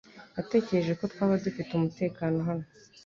Natekereje ko twaba dufite umutekano hano .